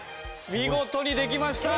見事にできました。